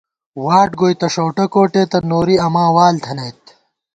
واٹ گوئی تہ ݭؤٹہ کوٹېتہ، نوری اماں وال تھنَئیت